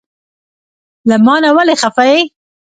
له مانه ولې خفه یی؟